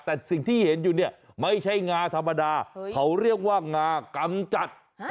แต่สิ่งที่เห็นอยู่เนี่ยไม่ใช่งาธรรมดาเขาเรียกว่างากำจัด